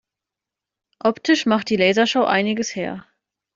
Optisch macht die Lasershow einiges her.